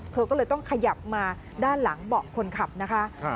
เธอก็เลยต้องขยับมาด้านหลังเบาะคนขับนะคะ